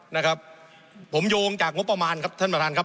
นะครับผมโยงจากงบประมาณครับท่านประธานครับ